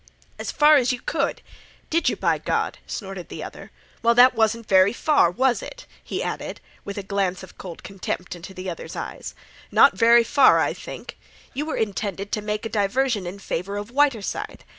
"As far as you could? Did you, b'Gawd?" snorted the other. "Well, that wasn't very far, was it?" he added, with a glance of cold contempt into the other's eyes. "Not very far, I think. You were intended to make a diversion in favor of Whiterside.